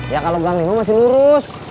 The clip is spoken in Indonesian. ya kalau gang lima masih lurus